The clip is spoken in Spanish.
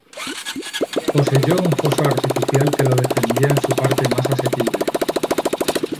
Poseyó un foso artificial que lo defendía en su parte más asequible.